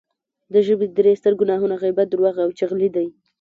د ژبې درې ستر ګناهونه غیبت، درواغ او چغلي دی